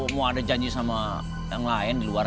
mau ada janji sama yang lain di luar